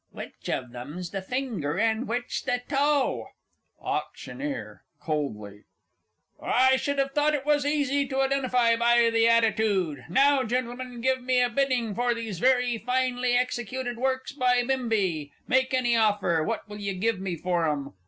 Which of 'em's the finger and which the toe? AUCT. (coldly). I should have thought it was easy to identify by the attitude. Now, Gentlemen, give me a bidding for these very finely executed works by Bimbi. Make any offer. What will you give me for 'em?